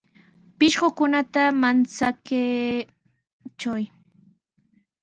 Pishqukunata manchakaachiy.